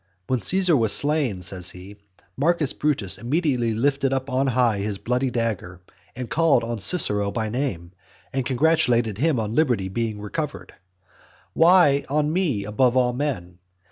When Caesar was slain, says he, Marcus Brutus immediately lifted up on high his bloody dagger, and called on Cicero by name; and congratulated him on liberty being recovered. Why on me above all men?